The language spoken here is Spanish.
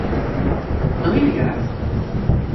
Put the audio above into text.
¿no vivirás?